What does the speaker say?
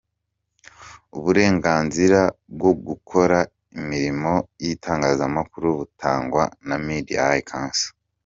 Uburenganzira bwo gukora imirimo y’itangazamakuru butangwa na ‘Media High Council,.